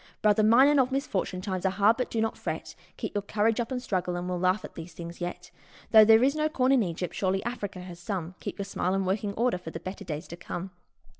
Brother mine, and of misfortune ! times are hard, but do not fret, Keep your courage up and struggle, and we'll laugh at these things yet. Though there is no corn in Egypt, surely Africa has some Keep your smile in working order for the better days to come